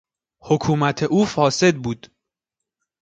حکومت او فاسد بود.